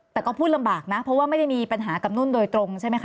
แต่ก็พูดลำบากนะเพราะว่าไม่ได้มีปัญหากับนุ่นโดยตรงใช่ไหมคะ